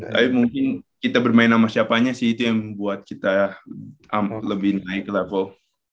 tapi mungkin kita bermain sama siapanya sih itu yang membuat kita lebih naik ke level